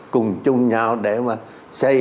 cùng chung nhau để mà xây